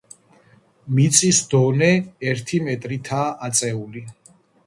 მიწის დონე ერთი მეტრითაა აწეული.